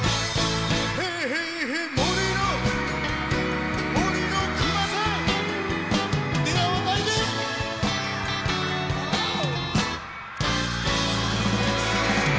ヘイヘイヘイ森の森の熊さん出会わないでオオ！